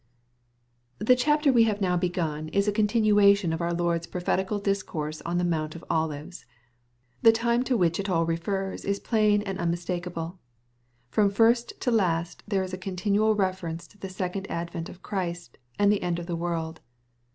The chapter we have now began is a continuation of our Lord's prophetical discourse on the Mount of Olives. The time to which it all refers is plain and unmistake* able. From first to last^ there is a continual reference to the second advent of Christ, and the end of the world.